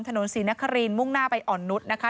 ถนนศรีนครินมุ่งหน้าไปอ่อนนุษย์นะคะ